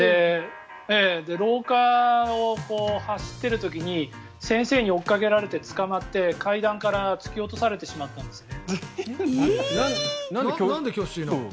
廊下を走っている時に先生に追いかけられてつかまって階段から突き落とされてしまったんですね。